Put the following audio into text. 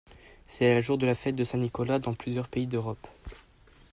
C'est le jour de la fête de Saint-Nicolas dans plusieurs pays d'Europe.